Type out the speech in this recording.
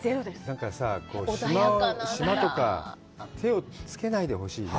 なんかさ、島とか、手をつけないでほしいね。